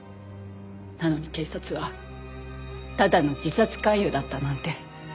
なのに警察はただの自殺関与だったなんて。